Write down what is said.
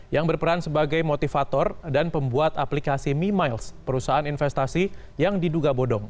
yang berperan sebagai motivator dan pembuat aplikasi mimiles perusahaan investasi yang diduga bodong